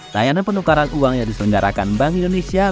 layanan penukaran uang yang diselenggarakan bank indonesia